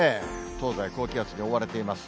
東西、高気圧に覆われています。